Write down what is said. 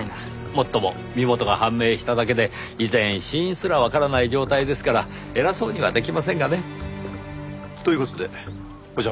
もっとも身元が判明しただけで依然死因すらわからない状態ですから偉そうには出来ませんがね。という事でお邪魔しました。